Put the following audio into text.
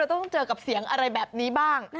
ต้องเจอกับเสียงอะไรแบบนี้บ้าง